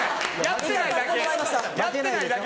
やってないだけ。